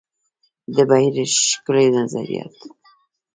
د بهیر ښکلي نظریات.